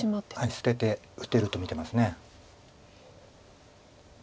捨てて打てると見てます。